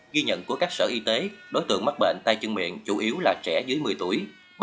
ghi nhận của các sở y tế đối tượng mắc bệnh tay chân miệng chủ yếu là trẻ dưới một mươi tuổi